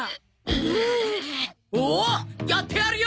ううおうやってやるよ！